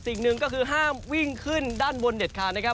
สิ่งหนึ่งก็คือห้ามวิ่งขึ้นด้านบนเด็ดขาดนะครับ